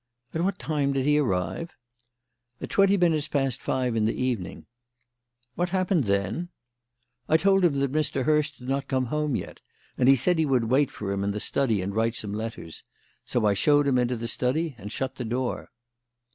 "At what time did he arrive?" "At twenty minutes past five in the evening." "What happened then?" "I told him that Mr. Hurst had not come home yet, and he said he would wait for him in the study and write some letters; so I showed him into the study and shut the door."